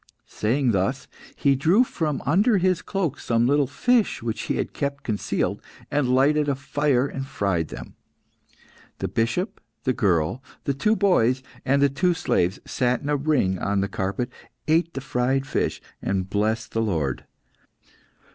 Saying thus, he drew from under his cloak some little fish which he had kept concealed, and lighted a fire and fried them. The Bishop, the girl, the two boys, and the two slaves sat in a ring on the carpet, ate the fried fish, and blessed the Lord.